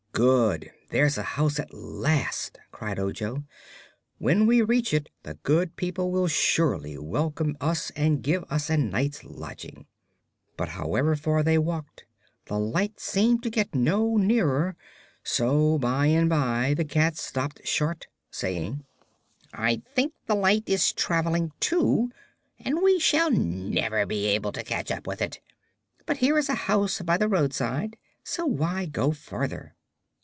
"Good! there's a house at last," cried Ojo. "When we reach it the good people will surely welcome us and give us a night's lodging." But however far they walked the light seemed to get no nearer, so by and by the cat stopped short, saying: "I think the light is traveling, too, and we shall never be able to catch up with it. But here is a house by the roadside, so why go farther?"